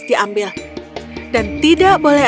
diambil dan tidak boleh